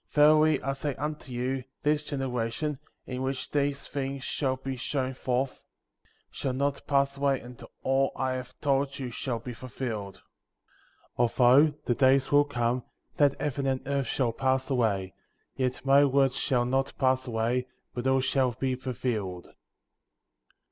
34. Verily, I say unto you, this generation, in which these things shall be shown forth, shall not pass away until all I have told you shall be fulfilled. 35. Although, the days will come, that heaven and earth shall pass away; yet my words shall not pass away, but all shall be fulfilled.